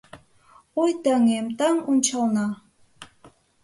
Ой, таҥем, таҥ ончална -